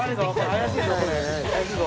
怪しいぞ。